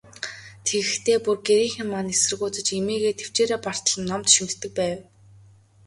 Тэгэхдээ, бүр гэрийнхэн маань эсэргүүцэж, эмээгээ тэвчээрээ бартал нь номд шимтдэг байв.